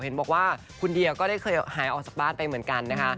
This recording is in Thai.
เห็นบอกว่าคุณเดียก็ได้เคยหายออกจากบ้านไปเหมือนกันนะคะ